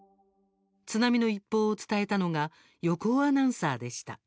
津波の一報を伝えたのが横尾アナウンサーでした。